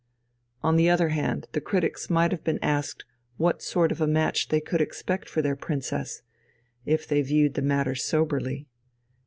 On the other hand the critics might have been asked what sort of a match they could expect for their Princess, if they viewed the matter soberly.